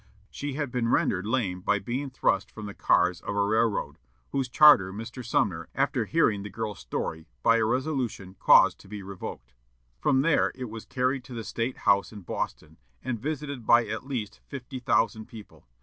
She had been rendered lame by being thrust from the cars of a railroad, whose charter Mr. Sumner, after hearing the girl's story, by a resolution, caused to be revoked." From there it was carried to the State House in Boston, and visited by at least fifty thousand people.